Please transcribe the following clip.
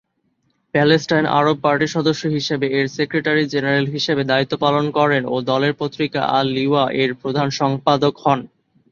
Palestine আরব পার্টির সদস্য হিসেবে এর সেক্রেটারি-জেনারেল হিসেবে দায়িত্ব পালন করেন ও দলের পত্রিকা "আল-লিওয়া" এর প্রধান সম্পাদক হন।